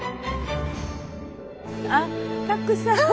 あったくさんいる。